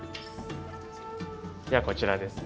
ではこちらですね。